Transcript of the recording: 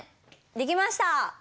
できました！